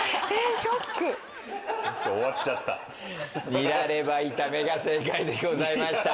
ニラレバ炒めが正解でございました。